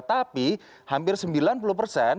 tapi hampir sementara